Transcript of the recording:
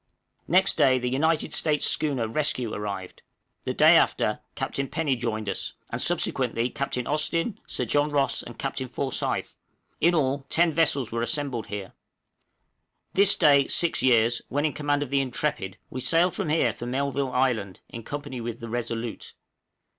Next day the United States schooner 'Rescue' arrived; the day after, Captain Penny joined us, and subsequently Captain Austin, Sir John Ross, and Captain Forsyth, in all, ten vessels were assembled here. This day six years, when in command of the 'Intrepid,' we sailed from here for Melville Island in company with the 'Resolute.'